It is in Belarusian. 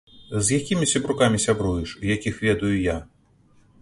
З якімі сябрукамі сябруеш, якіх ведаю я?